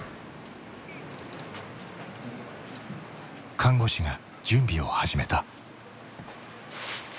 看護師が準備を始めた。